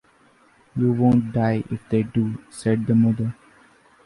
“You won’t die if they do,” said the mother.